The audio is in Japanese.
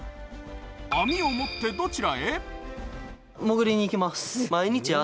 網を持ってどちらへ？